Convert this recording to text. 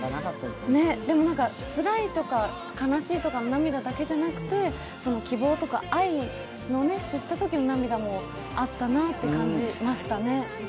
でもつらいとか、悲しいとかの涙だけじゃなくて希望とか愛を知ったときの涙もあったなと感じましたね。